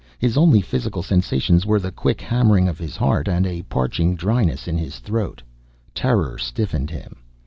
His only physical sensations were the quick hammering of his heart, and a parching dryness in his throat. Terror stiffened him.